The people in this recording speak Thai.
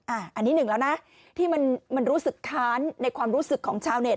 อันนี้หนึ่งแล้วนะที่มันรู้สึกค้านในความรู้สึกของชาวเน็ต